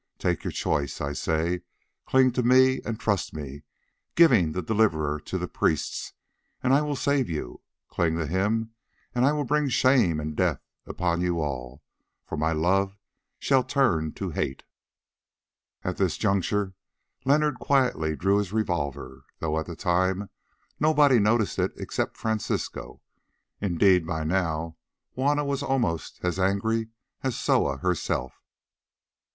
Take your choice, I say; cling to me and trust me, giving the Deliverer to the priests, and I will save you. Cling to him, and I will bring shame and death upon you all, for my love shall turn to hate." At this juncture Leonard quietly drew his revolver, though at the time nobody noticed it except Francisco. Indeed by now Juanna was almost as angry as Soa herself.